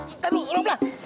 bentar dulu orang belakang